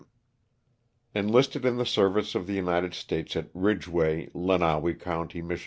Enlisted in the service of the United States at Ridgeway, Lenawee county, Mich.